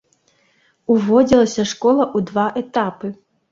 Уводзілася школа ў два этапы.